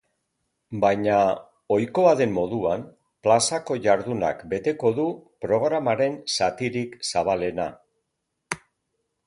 Baina, ohikoa den moduan, plazako jardunak beteko du programaren zatirik zabalena.